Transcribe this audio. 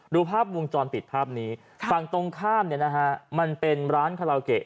ดูภาพวงจรปิดภาพนี้ฝั่งตรงข้ามเนี่ยนะฮะมันเป็นร้านคาราโอเกะ